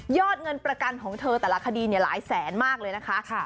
เงินประกันของเธอแต่ละคดีหลายแสนมากเลยนะคะ